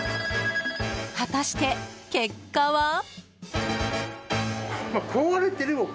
果たして結果は？